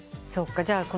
そうか。